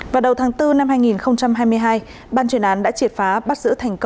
vào đầu tháng bốn năm hai nghìn hai mươi hai ban chuyển án đã triệt phá bắt giữ thành công